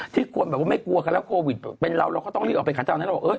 ที่กลัวแบบไม่กลัวครับแล้วโควิดเป็นเราเราก็ต้องรีบออกไปขัดเจ้า